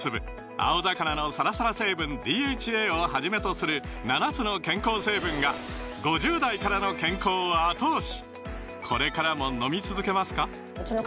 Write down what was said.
青魚のサラサラ成分ＤＨＡをはじめとする７つの健康成分が５０代からの健康を後押し！